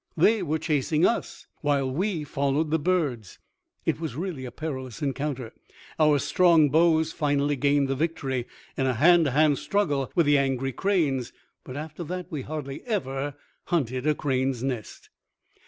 They were chasing us, while we followed the birds. It was really a perilous encounter! Our strong bows finally gained the victory in a hand to hand struggle with the angry cranes; but after that we hardly ever hunted a crane's nest.